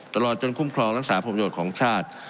ตลอดจนคุ้มครองรักษาผลประโยชน์ของชาติ